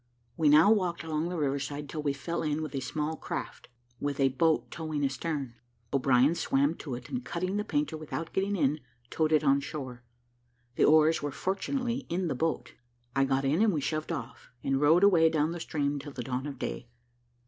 We now walked along the riverside till we fell in with a small craft, with a boat towing astern; O'Brien swam to it, and cutting the painter without getting in, towed it on shore. The oars were fortunately in the boat. I got in, we shoved off, and rowed away down the stream, till the dawn of day.